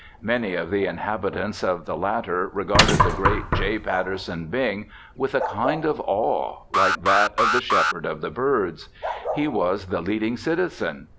Many of the inhabitants of the latter regarded the great J. Patterson Bing with a kind of awe like that of the Shepherd of the Birds. He was the leading citizen.